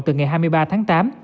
từ ngày hai mươi ba tháng tám